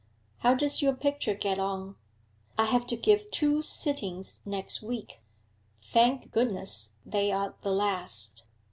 'How does your picture get on?' 'I have to give two sittings next week. Thank goodness they are the last.'